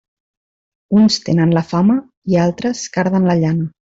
Uns tenen la fama i altres carden la llana.